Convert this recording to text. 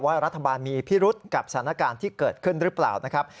ว่ารัฐบาลมีพิรุษกับสถานการณ์ที่เกิดขึ้นหรือเปล่านะครับ